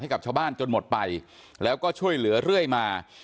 กับชาวบ้านจนหมดไปแล้วก็ช่วยเหลือเรื่อยมา